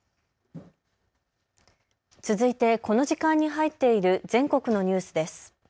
続いてこの時間に入っている全国のニュースです。